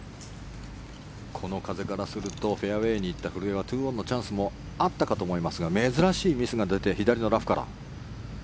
この風からするとフェアウェーに行った古江は２オンのチャンスもあったかと思いますが珍しいミスが出て左のラフから。